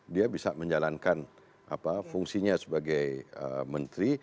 dia bisa menjalankan fungsinya sebagai menteri